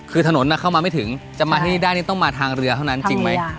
คือถนนเข้ามาไม่ถึงจะมาที่นี่ได้นี่ต้องมาทางเรือเท่านั้นจริงไหม